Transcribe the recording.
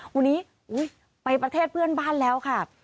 วันนี้ไปประเทศเพื่อนบ้านแล้วค่ะ